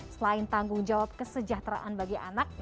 selain tanggung jawab kesejahteraan bagi anak